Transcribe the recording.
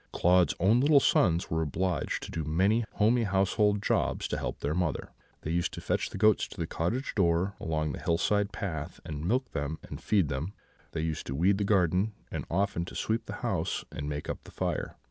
"Claude's own little sons were obliged to do many homely household jobs, to help their mother. They used to fetch the goats to the cottage door, along the hill side path, and milk them and feed them; they used to weed the garden, and often to sweep the house and make up the fire.